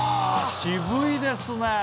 渋いですね